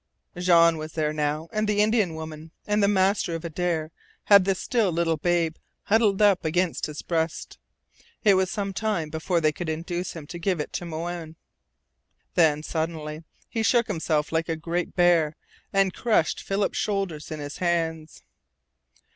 Jean was there now, and the Indian woman; and the master of Adare had the still little babe huddled up against his breast. It was some time before they could induce him to give it to Moanne. Then, suddenly, he shook himself like a great bear, and crushed Philip's shoulders in his hands.